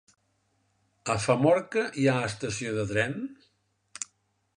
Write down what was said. A Famorca hi ha estació de tren?